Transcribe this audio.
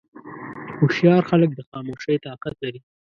هوښیار خلک د خاموشۍ طاقت لري.